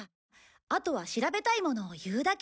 あとは調べたいものを言うだけ。